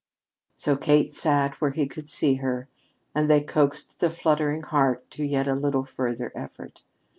So Kate sat where he could see her, and they coaxed the fluttering heart to yet a little further effort.